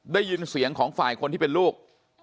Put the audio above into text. ได้ยินเสียงของฝ่ายคนที่เป็นลูก